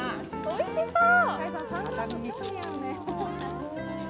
おいしそう！